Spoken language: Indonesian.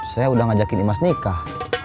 saya udah ngajakin imas nikah